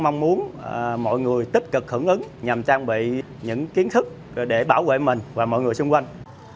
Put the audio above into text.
mong muốn mọi người tích cực hưởng ứng nhằm trang bị những kiến thức để bảo vệ mình và mọi người xung quanh